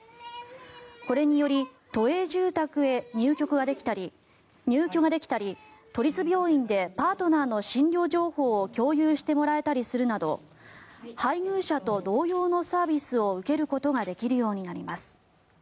これにより都営住宅へ入居ができたり都立病院でパートナーの診療情報を共有してもらえたりするなど配偶者と同様のサービスを受けることができるようになります。